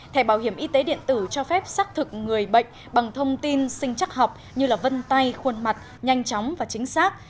thẻ bảo hiểm y tế điện tử cho phép xác thực người bệnh bằng thông tin sinh chắc học như vân tay khuôn mặt nhanh chóng và chính xác